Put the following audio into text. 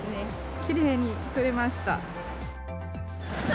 きれいに撮れました。